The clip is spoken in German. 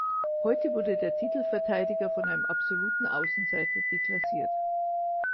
Heute wurde der Titelverteidiger von einem absoluten Außenseiter deklassiert.